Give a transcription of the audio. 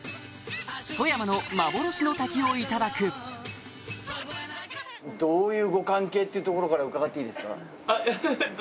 富山の「幻の瀧」をいただくっていうところから伺っていいですか？